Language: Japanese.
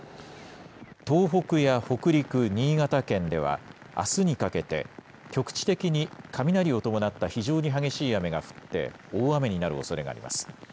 東北や北陸、新潟県ではあすにかけて、局地的に雷を伴った非常に激しい雨が降って大雨になるおそれがあります。